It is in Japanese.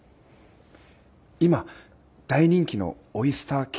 今大人気のオイスターＫ。